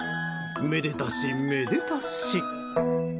めでたし、めでたし。